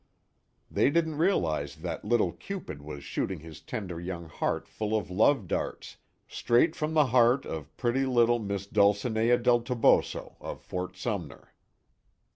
They didn't realize that little Cupid was shooting his tender young heart full of love darts, straight from the heart of pretty little Miss Dulcinea del Toboso, of Fort Sumner.